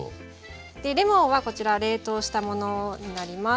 レモンはこちら冷凍したものになります。